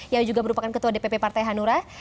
yang juga merupakan ketua dpp partai hanura